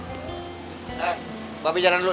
mbak be jalan dulu ya